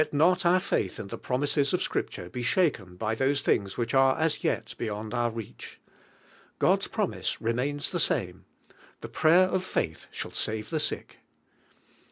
not our failh in the promises of Serhiture bo shaken by those things which are as yet beyond our reach. God's promise re Chapter XXV. mains the same: "Tim prayer of faith shall save the sick."